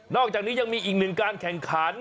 อกจากนี้ยังมีอีกหนึ่งการแข่งขัน